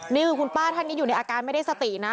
เดี๋ยวคุณป้าท่านยิ่งอยู่ในอาการไม่ได้สตินะ